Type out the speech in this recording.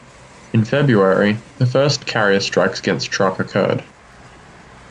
In February the first carrier strikes against Truk occurred.